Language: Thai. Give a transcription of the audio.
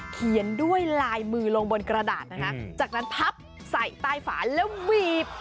เขียนด้วยลายมือลงบนกระดาษนะคะจากนั้นพับใส่ใต้ฝาแล้วบีบ